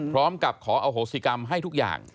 พร้อมกับขออโหสิกรรมให้ทุกอย่าง